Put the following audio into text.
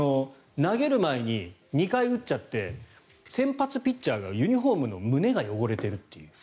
投げる前に２回打っちゃって先発ピッチャーがユニホームの胸が汚れているという。